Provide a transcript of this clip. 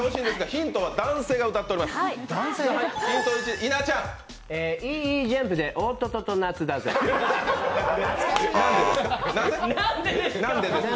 ヒントは男性が歌っております。